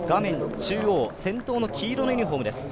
中央先頭の黄色のユニフォームです。